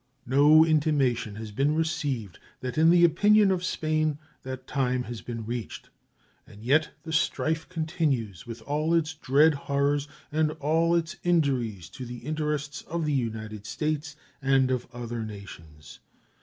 No intimation has been received that in the opinion of Spain that time has been reached. And yet the strife continues, with all its dread horrors and all its injuries to the interests of the United States and of other nations.